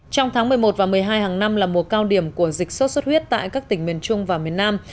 trong tháng một mươi một và một mươi hai hàng năm là mùa cao điểm của dịch sốt xuất huyết tại các tỉnh miền trung và miền nam